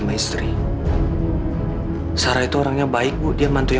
gak suka ibu tinggal di sini